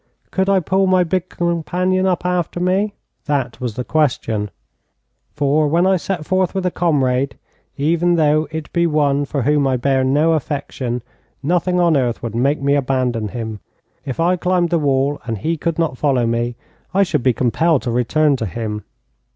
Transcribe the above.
Could I pull my big companion up after me? That was the question, for when I set forth with a comrade, even though it be one for whom I bear no affection, nothing on earth would make me abandon him. If I climbed the wall and he could not follow me, I should be compelled to return to him.